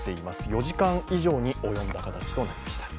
４時間以上に及んだ形となりました。